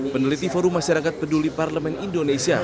peneliti forum masyarakat peduli parlemen indonesia